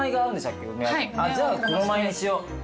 じゃあ黒米にしよう。